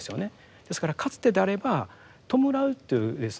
ですからかつてであれば弔うっていうですね